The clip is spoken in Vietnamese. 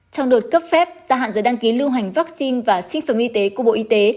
trong đột cấp phép gia hạn giới đăng ký lưu hành vắc xin và sinh phẩm y tế của bộ y tế